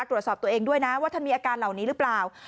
ตรวจสอบตัวเองด้วยนะว่าถ้ามีอาการเหล่านี้หรือเปล่า